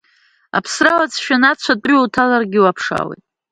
Аԥсра уацәшәаны ацә атәыҩа уҭаларгьы уаԥшаауеит.